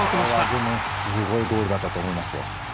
これはすごいゴールだったと思いますよ。